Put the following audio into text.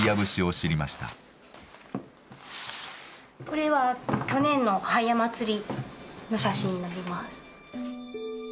これは去年のハイヤ祭りの写真になります。